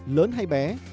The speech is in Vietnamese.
lớn hay bé